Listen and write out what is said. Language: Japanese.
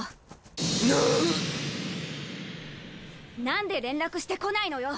何で連絡してこないのよ！？